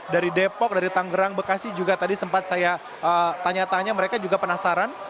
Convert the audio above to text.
dari depok dari tanggerang bekasi juga tadi sempat saya tanya tanya mereka juga penasaran